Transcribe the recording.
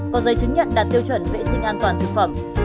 có giấy chứng nhận đạt tiêu chuẩn vệ sinh an toàn thực phẩm